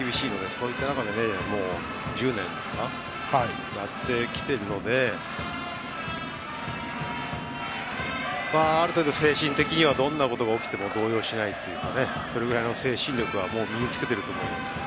そういった中で１０年やってきているのである程度、精神的にはどんなことが起きても動揺しないというかそれぐらいの精神力はもう身につけていると思います。